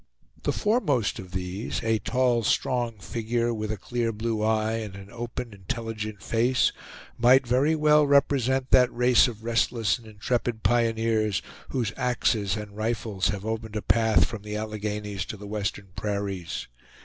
The foremost of these, a tall, strong figure, with a clear blue eye and an open, intelligent face, might very well represent that race of restless and intrepid pioneers whose axes and rifles have opened a path from the Alleghenies to the western prairies.